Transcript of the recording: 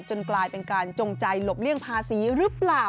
กลายเป็นการจงใจหลบเลี่ยงภาษีหรือเปล่า